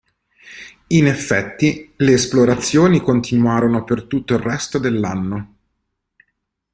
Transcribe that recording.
In effetti le esplorazioni continuarono per tutto il resto dell'anno.